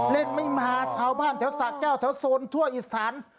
เล่นไม่มาชาวบ้านแถวสะแก้วแถวโซนทั่วอิสาน